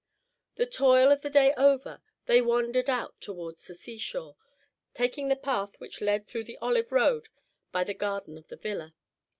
The toil of the day over, they wandered out towards the seashore, taking the path which led through the olive road by the garden of the villa.